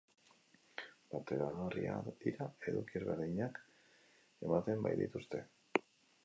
Bateragarria dira, eduki ezberdinak ematen baitituzte.